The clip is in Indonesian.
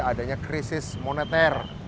adanya krisis moneter